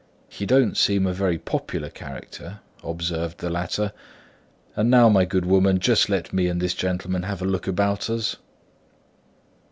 "He don't seem a very popular character," observed the latter. "And now, my good woman, just let me and this gentleman have a look about us."